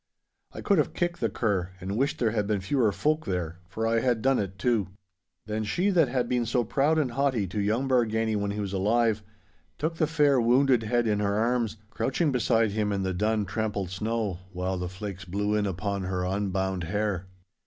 I could have kicked the cur, and wished there had been fewer folk there—for I had done it too. Then she that had been so proud and haughty to young Bargany when he was alive, took the fair, wounded head in her arms, crouching beside him in the dun, trampled snow, while the flakes blew in upon her unbound hair.